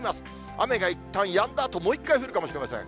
雨がいったんやんだあと、もう一回降るかもしれません。